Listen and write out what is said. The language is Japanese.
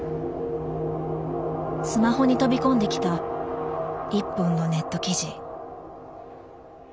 スマホに飛び込んできた一本のネット記事。